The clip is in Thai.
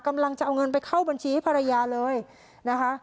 กำลังจะเอาเงินไปเข้าบัญชีให้ภรรยาเลยนะคะ